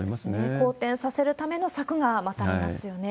好転させるための策が待たれますよね。